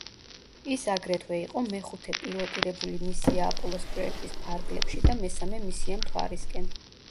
ის აგრეთვე იყო მეხუთე პილოტირებული მისია აპოლოს პროექტის ფარგლებში და მესამე მისია მთვარისკენ.